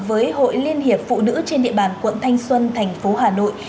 với hội liên hiệp phụ nữ trên địa bàn quận thanh xuân thành phố hà nội